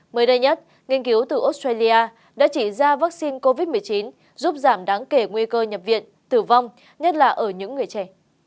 mới đây nhất nghiên cứu từ australia đã chỉ ra vaccine covid một mươi chín giúp giảm đáng kể nguy cơ nhập viện tử vong nhất là ở những người trẻ